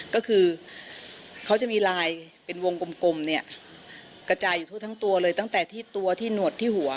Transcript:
ก็คือเขาจะมีลายเป็นวงกลมเนี่ยกระจายอยู่ทั่วทั้งตัวเลยตั้งแต่ที่ตัวที่หนวดที่หัว